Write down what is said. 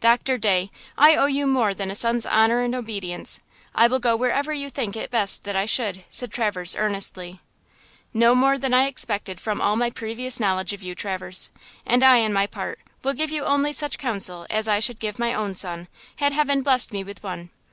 "Doctor Day, I owe you more than a son's honor and obedience! I will go wherever you think it best that I should," said Traverse, earnestly. "No more than I expected from all my previous knowledge of you, Traverse! And I, on my part, will give you only such counsel as I should give my own son, had heaven blessed me with one.